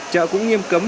chợ cũng nghiêm cấm